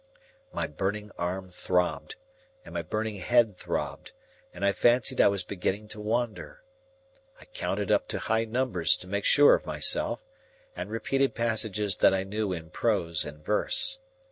My burning arm throbbed, and my burning head throbbed, and I fancied I was beginning to wander. I counted up to high numbers, to make sure of myself, and repeated passages that I knew in prose and verse.